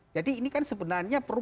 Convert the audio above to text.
ini kan sebenarnya perlu